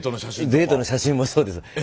デートの写真もそうです。